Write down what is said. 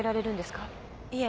いえ。